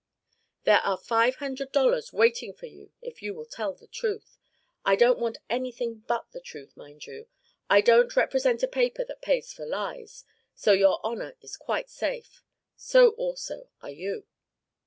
There are five hundred dollars waiting for you if you will tell the truth. I don't want anything but the truth, mind you. I don't represent a paper that pays for lies, so your honour is quite safe. So also are you."